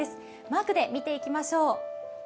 マークで見ていきましょう。